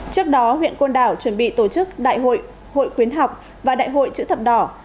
trước đó huyện côn đảo chuẩn bị tổ chức đại hội hội khuyến học và đại hội chữ thập đỏ